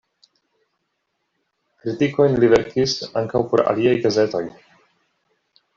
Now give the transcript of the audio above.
Kritikojn li verkis ankaŭ por aliaj gazetoj.